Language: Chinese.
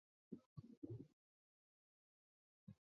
螺旋桨严重损坏说明飞机在坠机时仍正常工作。